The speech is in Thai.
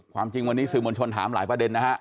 ความจริงวันนี้สื่อมวลชนถามหลายประเด็นนะฮะ